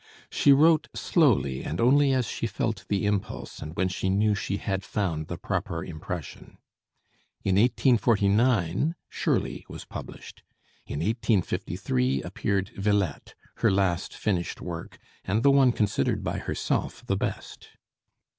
She wrote slowly and only as she felt the impulse, and when she knew she had found the proper impression. In 1849 'Shirley' was published. In 1853 appeared 'Villette,' her last finished work, and the one considered by herself the best.